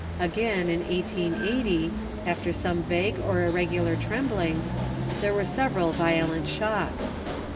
Again, in 1880, after some vague or irregular tremblings, there were several violent shocks.